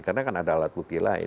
karena kan ada alat bukti lain